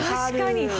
確かに。